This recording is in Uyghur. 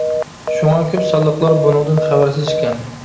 شۇڭا كۆپ سانلىقلار بۇنىڭدىن خەۋەرسىز ئىكەن.